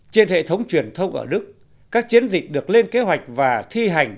trên hệ thống truyền thông ở đức các chiến dịch được lên kế hoạch và thi hành